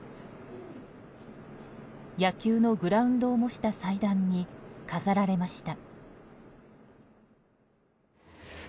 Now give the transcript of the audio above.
野球のグラウンドを模した祭壇に飾られました。